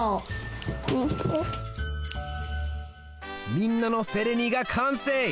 みんなのフェレニがかんせい！